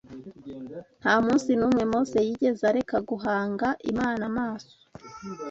Nta munsi n’umwe Mose yigeze areka guhanga Imana amaso